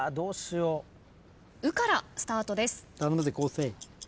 「う」からスタートです。